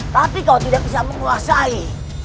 tapi kalau tidak bisa menguasai